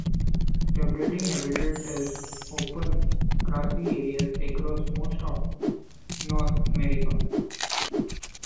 Their breeding habitat is open grassy areas across most of North America.